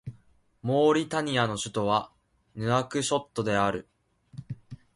モーリタニアの首都はヌアクショットである